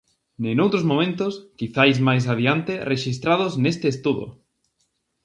E noutros momentos, quizais máis adiante rexistrados neste estudo.